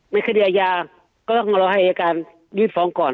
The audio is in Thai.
ในคดีอาญาก็ต้องรอให้อาจารย์ยื่นฟ้องก่อน